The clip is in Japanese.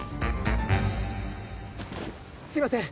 すいません！